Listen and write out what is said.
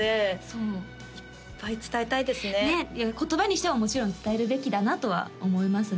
言葉にしてももちろん伝えるべきだなとは思いますね